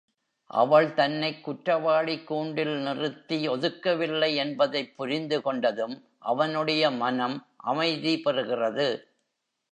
அவள் தன்னைக் குற்றவாளிக் கூண்டில் நிறுத்தி ஒதுக்கவில்லை என்பதைப் புரிந்துகொண்டதும், அவனுடைய மனம் அமைதி பெறுகிறது.